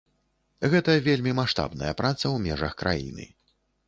Гэта вельмі маштабная праца ў межах краіны.